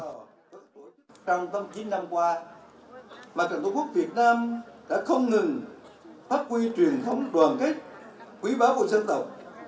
trong chín năm qua mặt trận tổ quốc việt nam đã không ngừng phát huy truyền thống đoàn kết quý báo của dân tộc